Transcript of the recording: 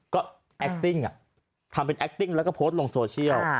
ก็แอคติ้งทำเป็นแอคติ้งแล้วก็โพสต์ลงโซเชียล